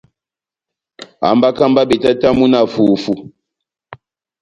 Hambaka mba betatamu na fufu.